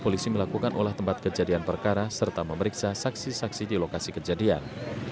polisi melakukan olah tempat kejadian perkara serta memeriksa saksi saksi di lokasi kejadian